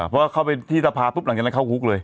พอเข้าไปที่สภาปุ๊บหลังจากนั้นเข้าคุกเลย